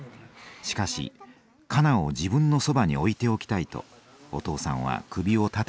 しかし「香菜を自分の側に置いておきたい」とお父さんは首を縦に振りません。